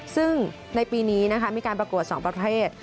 ซึ่งในปีนี้มีการปรากฏ๒ประเทศ